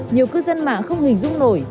nhiều cư dân mạng không hình dung nổi